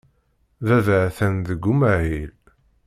Baba atan deg umahil.